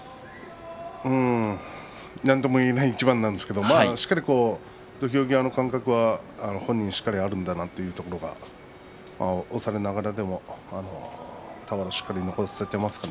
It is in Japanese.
なんとも言えない一番なんですけどもしっかり土俵際の感覚は本人にしっかりとあるんだなというところが押されながらでも俵にしっかりと残せています。